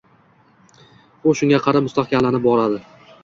U shunga qarab mustahkamlanib boradi.